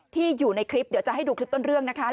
ที่อยู่ในคลิปเดี๋ยวจะให้ดูคลิปต้นเรื่องนะคะ